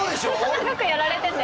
長くやられてて？